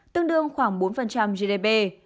tương đương khoảng bốn gdp